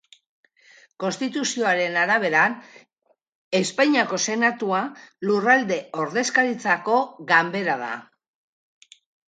Konstituzioaren arabera, Espainiako Senatua lurralde ordezkaritzako ganbera da.